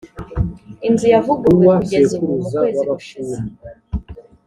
inzu yavuguruwe kugeza ubu mukwezi gushize.